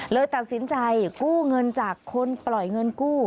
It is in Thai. เลยตัดสินใจกู้เงินจากคนปล่อยเงินกู้